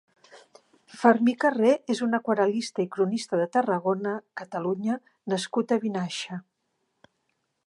Fermí Carré és un aquarel·lista i cronista de Tarragona, Catalunya nascut a Vinaixa.